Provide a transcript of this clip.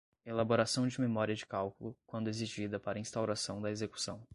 elaboração de memória de cálculo, quando exigida para instauração da execução